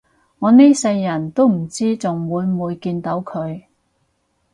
我呢世人都唔知仲會唔會見到佢